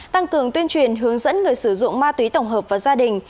tăng cường tuyên truyền hướng dẫn người sử dụng ma túy tổng hợp và gia đình